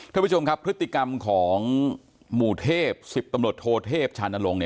ท่านผู้ชมครับพฤติกรรมของหมู่เทพ๑๐ตำรวจโทเทพชานลง